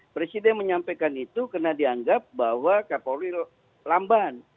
presiden menyampaikan itu karena dianggap bahwa kapolri lamban